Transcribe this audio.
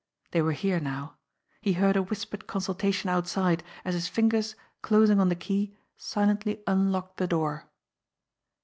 They were here now. He heard a whispered consultation outside, as his fingers, closing on the key, si lently unlocked the door.